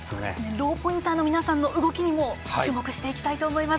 ローポインターの皆さんの動きにも注目していきたいと思います。